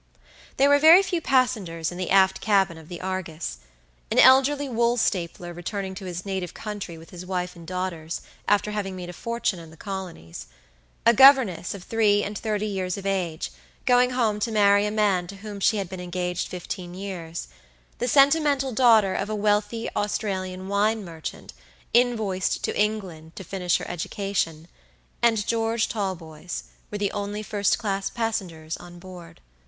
There were very few passengers in the aft cabin of the Argus. An elderly wool stapler returning to his native country with his wife and daughters, after having made a fortune in the colonies; a governess of three and thirty years of age, going home to marry a man to whom she had been engaged fifteen years; the sentimental daughter of a wealthy Australian wine merchant, invoiced to England to finish her education, and George Talboys, were the only first class passengers on board.